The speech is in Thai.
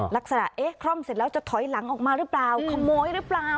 ลักษณะเอ๊ะคร่อมเสร็จแล้วจะถอยหลังออกมาหรือเปล่า